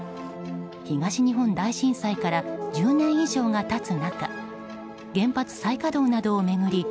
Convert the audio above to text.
東日本大震災から１０年以上が経つ中原発再稼働などを巡り